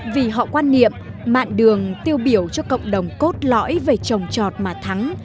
vì họ quan niệm mạng đường tiêu biểu cho cộng đồng cốt lõi về trồng trọt mà thắng